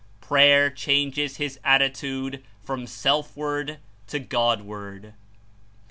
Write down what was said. Prayer changes his attitude from self ward to God ward.